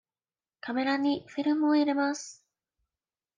カメラにフィルムを入れます。